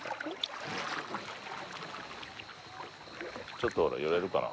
ちょっと寄れるかな？